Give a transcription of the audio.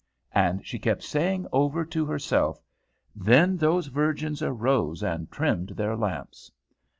And she kept saying over to herself, "Then those virgins arose and trimmed their lamps."